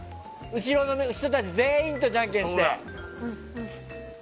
後ろの人たち全員とじゃんけんして。